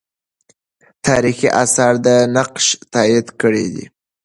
تاریخي آثار دا نقش تایید کړی دی.